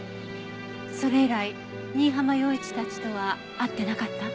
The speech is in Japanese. それ以来新浜陽一たちとは会ってなかった？